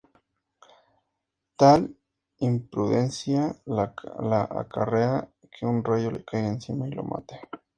Tal imprudencia le acarrea que un rayo le caiga encima y lo mate.